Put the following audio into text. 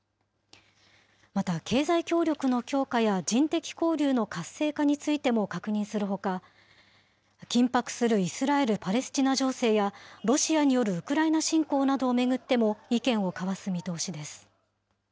また経済協力の強化や人的交流の活性化についても確認するほか、緊迫するイスラエル・パレスチナ情勢や、ロシアによるウクライナ侵攻などを巡っても、意見を交わす見通しです。